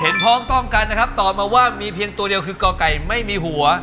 พร้อมต้องกันนะครับตอบมาว่ามีเพียงตัวเดียวคือก่อไก่ไม่มีหัว